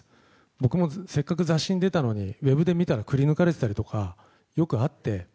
僕もせっかく雑誌に出たのにウェブで見たらくり抜かれてたりとかよくあって。